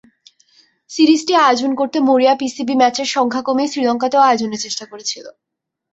সিরিজটি আয়োজন করতে মরিয়া পিসিবি ম্যাচের সংখ্যা কমিয়ে শ্রীলঙ্কাতেও আয়োজনের চেষ্টা করেছিল।